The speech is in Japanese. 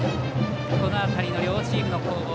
この辺りの両チームの攻防。